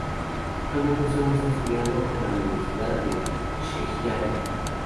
Actualmente Zhou está estudiando en la Universidad de Zhejiang.